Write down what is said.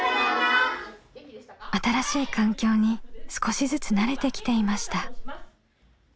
新しい環境に少しずつ慣れてきていました。